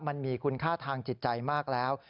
มันมีคุณค่าทางจิตใจมากแล้ว